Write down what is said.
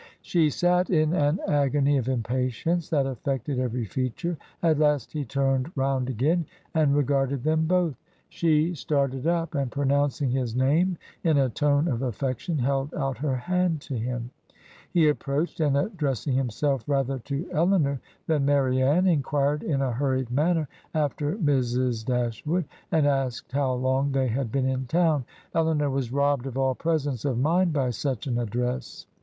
She sat in an agony of impatience that affected every feature. At last he turned round again, and regardedj them both; 72 Digitized by VjOOQIC THREE OF JANE AUSTEN'S HEROINES she started up, and pronouncing his name in a tone of affection, held out her hand to him. He approached, and, addressing himself rather to EUnor than Marianne, inquired in a hurried manner after Mrs. Dashwood, and asked how long they had been in town. Elinor was robbed of all presence of mind by such an address.